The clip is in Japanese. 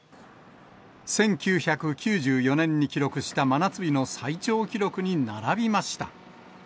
１９９４年に記録した真夏日の最長記録に並びました。